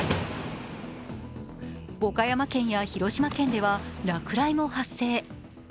岡山県や広島県では落雷も発生。